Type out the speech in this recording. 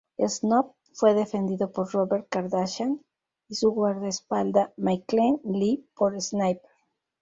Snoop fue defendido por Robert Kardashian, y su guardaespaldas McKinley Lee por Sniper.